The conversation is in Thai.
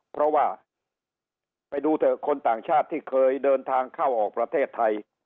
เพราะว่าไปดูเถอะคนต่างชาติที่เคยเดินทางเข้าออกประเทศไทย